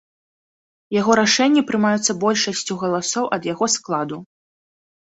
Яго рашэнні прымаюцца большасцю галасоў ад яго складу.